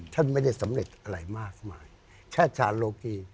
ฉันไม่ได้สำเร็จอะไรมากมากแค่ชาโลกี